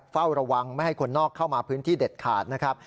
เฝ้าระวังไม่ให้คนนอกเข้ามาพื้นที่เด็ดขาดนะครับ